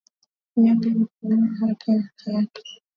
mnyonge mnyongeni lakini haki yake